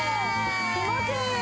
気持ちいい！